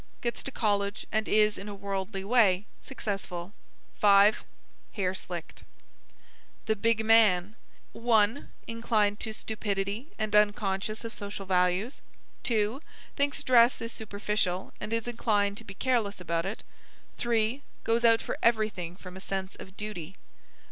Gets to college and is, in a worldly way, successful. 5. Hair slicked. "THE BIG MAN" 1. Inclined to stupidity and unconscious of social values. 2. Thinks dress is superficial, and is inclined to be careless about it. 3. Goes out for everything from a sense of duty.